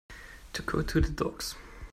To go to the dogs.